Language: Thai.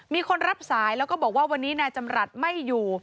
มีคนรับสายแล้วก็บอกว่าวันนี้นายจำรัฐไม่อยู่